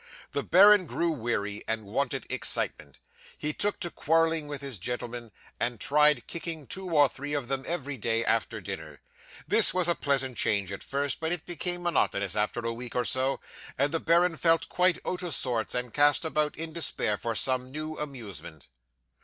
The baron grew weary, and wanted excitement. He took to quarrelling with his gentlemen, and tried kicking two or three of them every day after dinner. This was a pleasant change at first; but it became monotonous after a week or so, and the baron felt quite out of sorts, and cast about, in despair, for some new amusement.